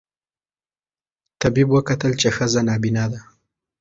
طبیب وکتل چي ښځه نابینا ده